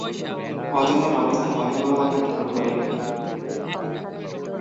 কজনের অবস্থা ভয়াবহ আকার ধারণ করে?